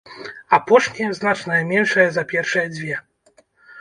Апошняя значная меншая за першыя дзве.